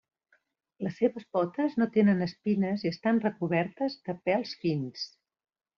Les seves potes no tenen espines i estan recobertes de pèls fins.